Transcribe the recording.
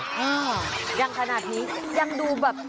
อ่ายังขนาดนี้ยังดูแบบ